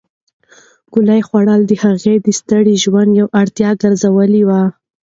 ګولۍ خوړل د هغې د ستړي ژوند یوه اړتیا ګرځېدلې وه.